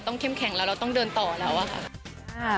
เข้มแข็งแล้วเราต้องเดินต่อแล้วอะค่ะ